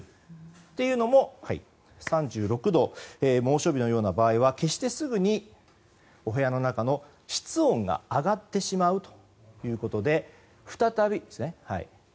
というのも３６度猛暑日のような場合は消して、すぐにお部屋の中の室温が上がってしまうということで。